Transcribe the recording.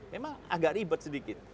memang agak ribet sedikit